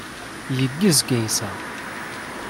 Yeggez Kaysa.